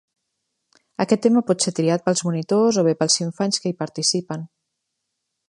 Aquest tema pot ser triat pels monitors o bé pels infants que hi participen.